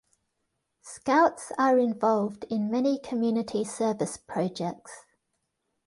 Scouts are involved in many community service projects.